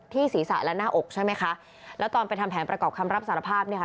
ศีรษะและหน้าอกใช่ไหมคะแล้วตอนไปทำแผนประกอบคำรับสารภาพเนี่ยค่ะ